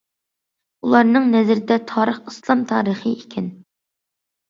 ئۇلارنىڭ نەزىرىدە تارىخ ئىسلام تارىخى ئىكەن.